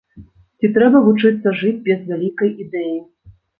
Ці трэба вучыцца жыць без вялікай ідэі?